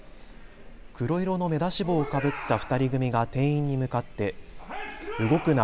黒色の目出し帽をかぶった２人組が店員に向かって動くな。